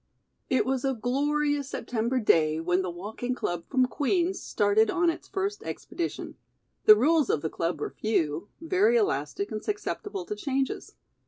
It was a glorious September day when the walking club from Queen's started on its first expedition. The rules of the club were few, very elastic and susceptible to changes.